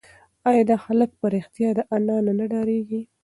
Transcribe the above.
ایا دا هلک په رښتیا له انا نه ډارېږي؟